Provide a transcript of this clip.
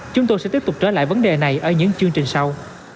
chúng tôi sẽ tiếp tục trở lại vấn đề này ở những chương trình sau